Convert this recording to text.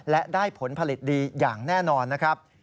และได้ผลผลิตดีอย่างแน่นอนนะครับ